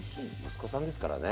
息子さんですからね。